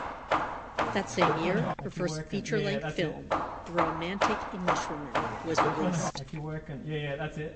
That same year her first feature-length film "The Romantic Englishwoman" was released.